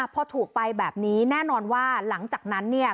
พอถูกไปแบบนี้แน่นอนว่าหลังจากนั้นเนี่ย